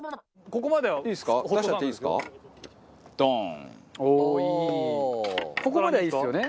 ここまではいいですよね。